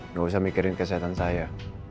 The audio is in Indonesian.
nggak usah mikirin kesehatan saya